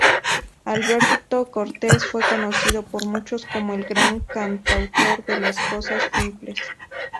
Alberto Cortez fue conocido por muchos como "El gran cantautor de las cosas simples".